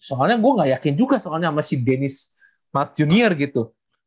soalnya gue gak yakin juga soalnya sama si dennis miles jr gitu